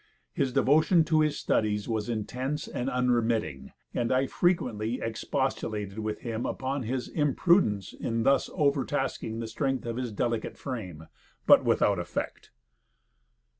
His devotion to his studies was intense and unremitting, and I frequently expostulated with him upon his imprudence in thus overtasking the strength of his delicate frame, but without effect."